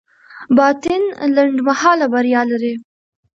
باطل لنډمهاله بریا لري.